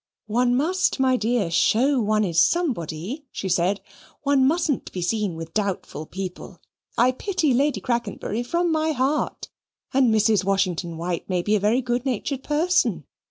"One must, my dear, show one is somebody," she said. "One mustn't be seen with doubtful people. I pity Lady Crackenbury from my heart, and Mrs. Washington White may be a very good natured person.